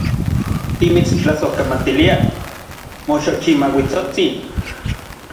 Timitstlasojkamatiliaj, moxochimauitsotsin.